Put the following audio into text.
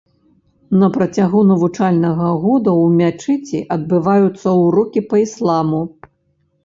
На працягу навучальнага года ў мячэці адбываюцца ўрокі па ісламу.